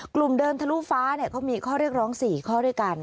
กลุ่มเดินทรุฟ้าเค้ามีข้อเรียกร้อง๔ข้อด้วยกัน